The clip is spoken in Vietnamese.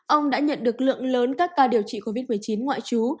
ông đã nhận được lượng lớn các ca điều trị covid một mươi chín ngoại trú